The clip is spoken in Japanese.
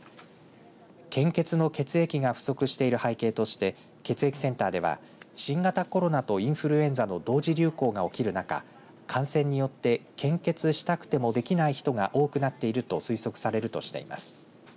献血の血液が不足している背景として血液センターでは新型コロナとインフルエンザの同時流行が起きる中感染によって献血したくてもできない人が多くなっていると推測されるとしています。